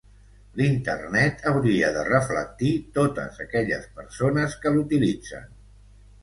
L'Internet hauria de reflectir totes aquelles persones que l'utilitzen.